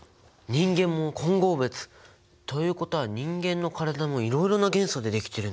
人間も混合物！ということは人間の体もいろいろな元素で出来てるんだね。